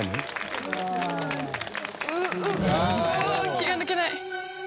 気が抜けない。